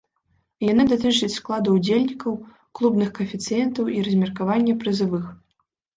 Яны датычаць складу ўдзельнікаў, клубных каэфіцыентаў і размеркавання прызавых.